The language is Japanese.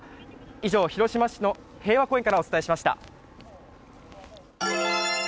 以上、広島市の平和公園からお伝えしました。